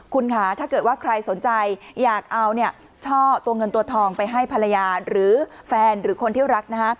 คุณค่ะถ้าเกิดว่าใครสนใจอยากเอาช่อตัวเงินตัวทองไปให้ภรรยาหรือแฟนหรือคนที่รัก